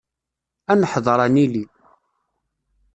Ad neḥder ad nili.